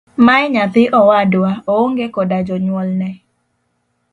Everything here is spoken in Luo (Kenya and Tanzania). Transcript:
Mae nyathi owadwa oong'e koda jonyuolne.